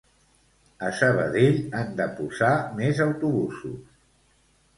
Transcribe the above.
A Sabadell han de posar més autobusos